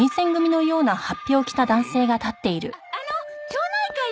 あっあの町内会の。